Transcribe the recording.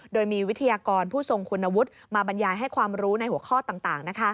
โดยมีวิทยากรผู้ทรงคุณวุฒิมาบรรยายให้ความรู้ในหัวข้อต่าง